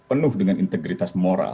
penuh dengan integritas moral